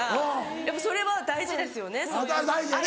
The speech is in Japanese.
やっぱそれは大事ですよね